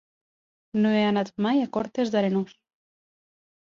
No he anat mai a Cortes d'Arenós.